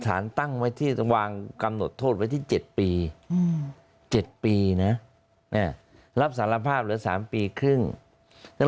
ตั้งไว้ที่วางกำหนดโทษไว้ที่๗ปี๗ปีนะรับสารภาพเหลือ๓ปีครึ่งแล้ว